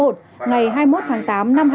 ngày hai mươi một tháng tám năm hai nghìn hai mươi